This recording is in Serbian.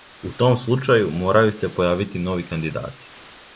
У том случају, морају се појавити нови кандидати.